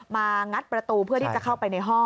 งัดประตูเพื่อที่จะเข้าไปในห้อง